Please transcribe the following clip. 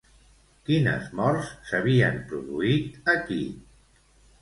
Quines morts s'havien produït aquí?